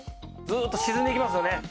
ずーっと沈んでいきますよね。